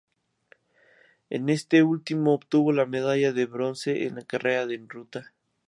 En este último obtuvo la medalla de bronce en la carrera en ruta.